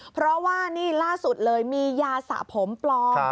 เพราะว่านี่ล่าสุดเลยมียาสะผมปลอม